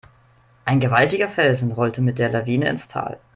Ein gewaltiger Felsen rollte mit der Lawine ins Tal.